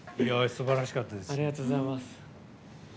すばらしかったです。